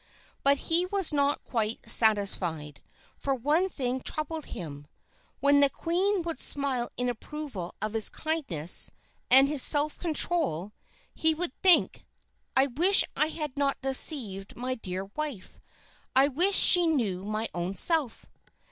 But he was not quite satisfied, for one thing troubled him. When the queen would smile in approval of his kindness, and his self control, he would think, "I wish I had not deceived my dear wife. I wish she knew my own self."